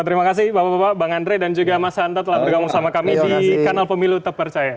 terima kasih bapak bapak bang andre dan juga mas hanta telah bergabung sama kami di kanal pemilu tepercaya